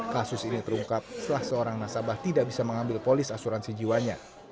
kasus ini terungkap setelah seorang nasabah tidak bisa mengambil polis asuransi jiwanya